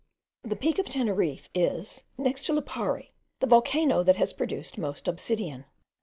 The Peak of Teneriffe is, next to Lipari, the volcano that has produced most obsidian.